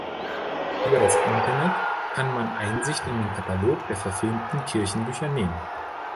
Über das Internet kann man Einsicht in den Katalog der verfilmten Kirchenbücher nehmen.